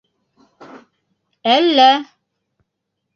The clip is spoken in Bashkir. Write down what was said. Әллә.